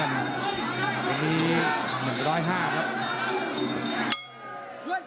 วันนี้๑๐๕ครับ